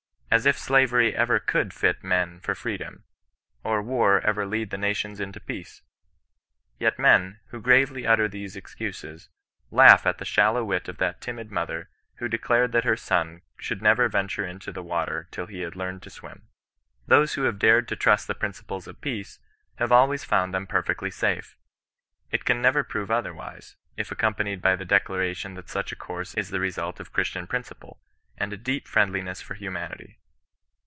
As if slavery ever cordd fit men for free dom, or war ever lead the nations into peace ! Yet men, who gravely utter these excuses, laugh at the shallow wit of that timid mother, who declared that her son should never venture into the water till he had learned to swim. " Those who have dared to trust the principles of peace, have always found them perfectly safe. It con never prove otherwise, if accompanied by the declaration that such a course is the result of Chnstian principle, and a deep friendliness for humanity.